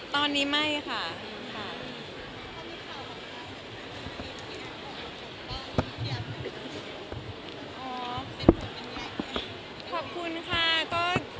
สิ่งที่อยากขอบคุณก็อย่างเดียว